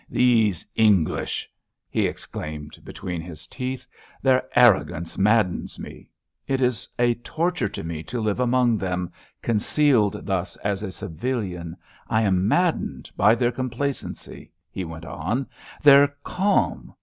"These English!" he exclaimed between his teeth. "Their arrogance maddens me! It is a torture to me to live among them, concealed thus as a civilian! I am maddened by their complacency!" he went on, "their calm!